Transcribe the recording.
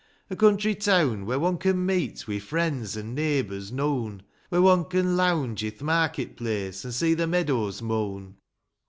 A country teawn, where one can meet Wi' friends an' neighbours known ; <!3* Where one can lounge i'th market place, An' see the meadows mown.